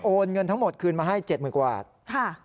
เงินทั้งหมดคืนมาให้๗๐๐บาท